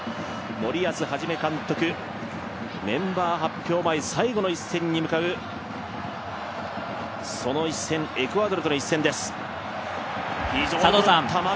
森保一監督、メンバー発表前最後の一戦に向かうそのエクアドルとの一戦です。